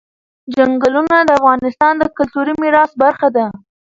چنګلونه د افغانستان د کلتوري میراث برخه ده.